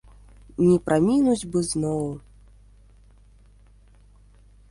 Не прамінуць бы зноў.